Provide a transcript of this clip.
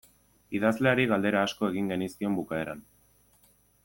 Idazleari galdera asko egin genizkion bukaeran.